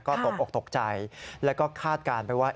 ก็ตกออกตกใจแล้วก็คาดการณ์ไปว่า